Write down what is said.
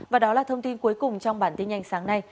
và đó là thông tin cuối cùng trong bản tin nhanh sáng nay